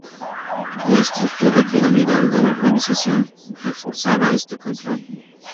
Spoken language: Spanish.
La estructura piramidal de la organización reforzaba este control.